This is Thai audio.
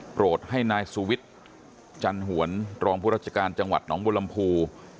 โปรดให้นายสุวิทย์จันหวนรองผู้ราชการจังหวัดหนองบุรมภู